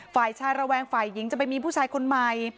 ฝ่ายชายระแวงฝ่ายหญิงจะไปมีผู้ชายคนใหม่